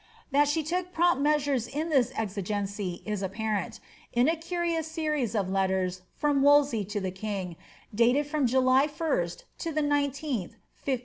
That she took prompt measures in this exigence is apparent, in a curious series of letters from Wolsey to the king, dated from July 1st to the 19th, 15*^7.